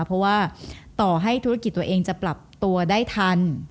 เพราะว่าต่อให้ธุรกิจตัวเองจะปรับตัวได้ทัน